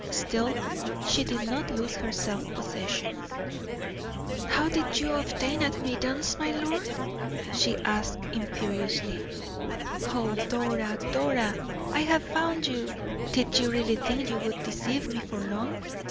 Still she did not lose her self possession. "How did you obtain admittance, my lord?" she asked, imperiously. "Oh, Dora, Dora! I have found you. Did you really think you would deceive me for long?